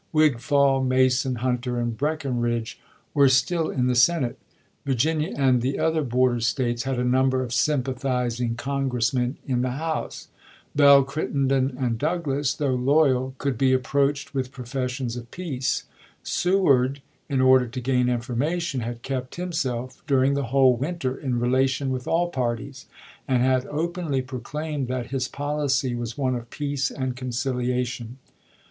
Wigf all, Mason, Hunter, and Breckinridge were still in the Senate ; Virginia and the other border States had a number of sympathizing Congressmen in the House; Bell, Crittenden, and Douglas, though loyal, could be approached with professions of peace ; Seward, in order to gain information, had kept himself during the whole winter in relation with all parties, and had openly proclaimed that his policy was one of peace and conciliation.